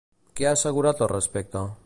Què ha assegurat al respecte?